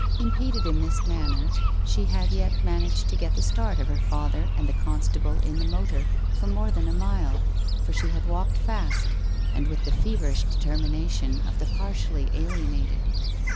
Impeded in this manner, she had yet managed to get the start of her father and the constable in the motor for more than a mile, for she had walked fast and with the feverish determination of the partially alienated.